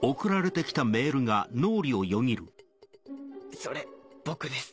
８。それ僕です